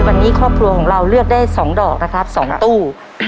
วันนี้ครอบครัวของเราเลือกได้๒ดอกนะครับ๒ตู้